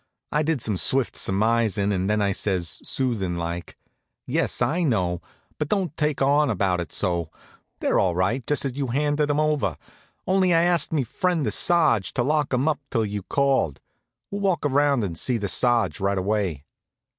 I did some swift surmisin', and then I says, soothin' like: "Yes, I know; but don't take on about it so. They're all right, just as you handed 'em over; only I asked me friend the Sarge to lock 'em up till you called. We'll walk around and see the Sarge right away."